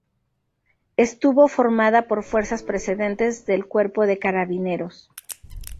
Estuvo formada por fuerzas procedentes del Cuerpo de Carabineros.